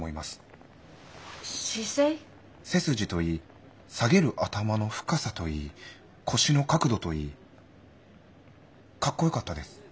背筋といい下げる頭の深さといい腰の角度といいかっこよかったです。